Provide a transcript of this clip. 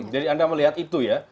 jadi anda melihat itu ya